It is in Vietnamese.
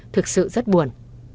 thực sự rất buồn